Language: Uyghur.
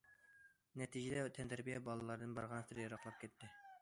نەتىجىدە تەنتەربىيە بالىلاردىن بارغانسېرى يىراقلاپ كەتتى.